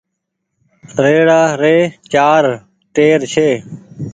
ريڙآ ري چآر ٽير ڇي۔